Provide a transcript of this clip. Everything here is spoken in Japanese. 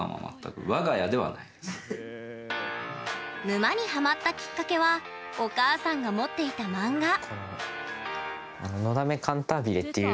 沼にハマったきっかけはお母さんが持っていた漫画。